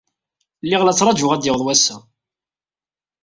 Lliɣ la ttṛajuɣ ad d-yaweḍ wass-a.